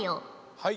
はい。